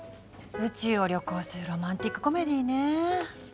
宇宙を旅行するロマンチックコメディーね。